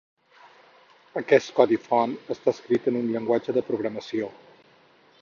Aquest codi font està escrit en un llenguatge de programació.